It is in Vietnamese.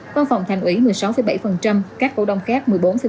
văn phòng thành ủy một mươi sáu bảy các cổ đồng khác một mươi bốn một